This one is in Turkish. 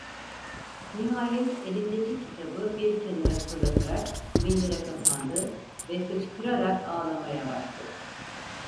Nihayet elindeki kitabı bir kenara fırlatarak mindere kapandı ve hıçkırarak ağlamaya başladı.